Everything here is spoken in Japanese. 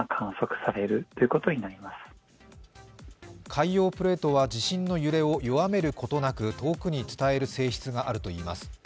海洋プレートは地震の揺れを弱めることなく遠くに伝える性質があるといいます。